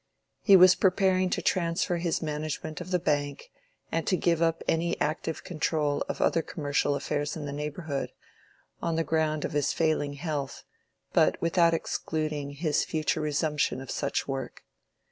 He was preparing to transfer his management of the Bank, and to give up any active control of other commercial affairs in the neighborhood, on the ground of his failing health, but without excluding his future resumption of such work.